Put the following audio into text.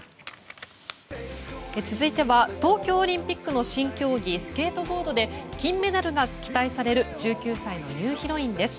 続いては東京オリンピックの新競技スケートボードで金メダルが期待される１９歳のニューヒロインです。